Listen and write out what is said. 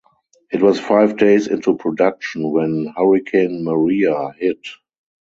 It was five days into production when Hurricane Maria hit.